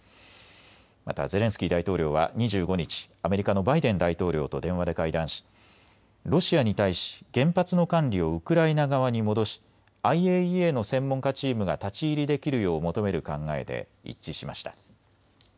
またゼレンスキー大統領は２５日、アメリカのバイデン大統領と電話で会談し、ロシアに対し原発の管理をウクライナ側に戻しＩＡＥＡの専門家チームが立ち入りできるよう求める考えで一致しました。